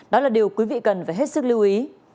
đó là điều quý vị cần phải hết sức lưu ý